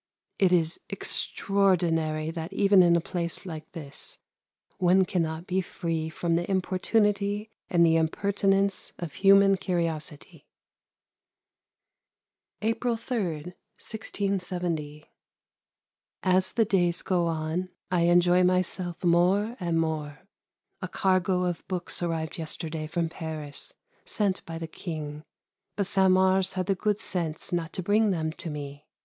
It is extraordinary that even in a place like this one cannot be free from the importunity and the impertinence of human curiosity. April 3, 1670. As the days go on, I enjoy myself more and more. A cargo of books arrived yesterday from Paris, sent by the King, but Saint Mars had the good sense not to bring them to me.